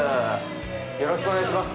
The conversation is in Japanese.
よろしくお願いします。